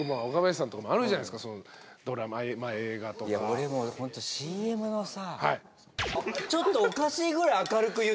俺もホントＣＭのさ。